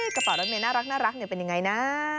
กระเป๋ารถเมยน่ารักเป็นยังไงนะ